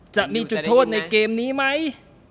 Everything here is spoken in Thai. จะมีจุดโทษในเกมนี้ไหม